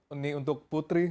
ini untuk putri